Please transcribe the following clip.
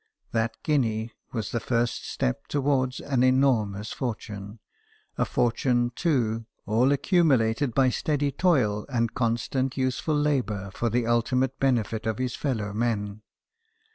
That guinea was the first step towards an enormous fortune ; a fortune, too, all accumulated by steady toil and constant useful labour for the ultimate benefit of his fellow men.